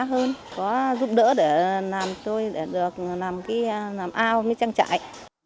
có giúp đỡ để làm tôi được làm cái làm ao cái trang trại